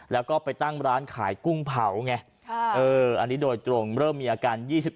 แล้วก็ไปตั้งร้านขายกุ้งเผาไงอันนี้โดยตรงเริ่มมีอาการ๒๑